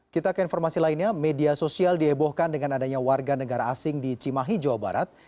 kita ke informasi lainnya media sosial dihebohkan dengan adanya warga negara asing di cimahi jawa barat